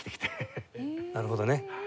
なるほどね。